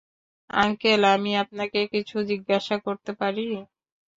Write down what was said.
Uncle আমি আপনাকে কিছু জিজ্ঞাসা করতে পারি?